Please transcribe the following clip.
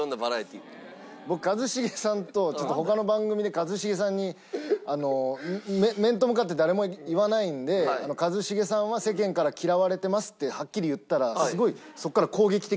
僕一茂さんとちょっと他の番組で一茂さんに面と向かって誰も言わないんで「一茂さんは世間から嫌われてます」ってはっきり言ったらすごい。